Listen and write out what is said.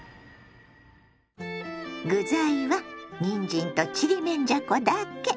具材はにんじんとちりめんじゃこだけ。